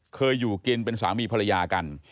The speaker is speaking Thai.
เคยอยู่กินเป็นสามีภรรยากัน